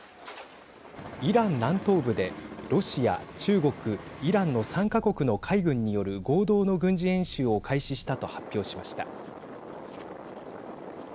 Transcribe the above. イラン南東部でロシア、中国、イランの３か国の海軍による合同の軍事演習を開始したと発表しました。